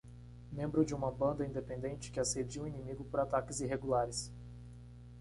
Membro de uma banda independente que assedia o inimigo por ataques irregulares.